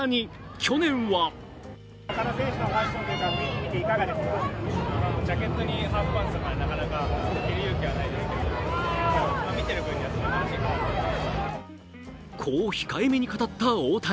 去年はこう控えめに語った大谷。